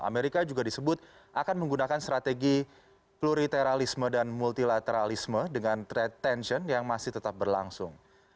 amerika juga disebut akan menggunakan strategi pluriterialisme dan multilateralisme dengan trade tension yang masih tetap berlangsung